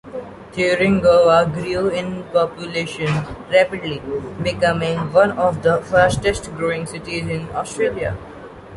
Thuringowa grew in population rapidly, becoming one of the fastest growing cities in Australia.